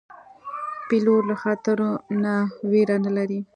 پیلوټ له خطرو نه ویره نه لري.